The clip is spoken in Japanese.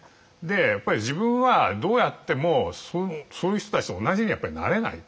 やっぱり自分はどうやってもそういう人たちと同じにはやっぱりなれない。